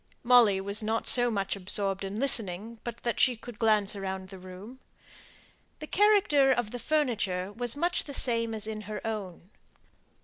Molly was not so much absorbed in listening but that she could glance round the room. The character of the furniture was much the same as in her own.